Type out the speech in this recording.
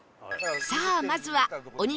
さあまずは「お肉」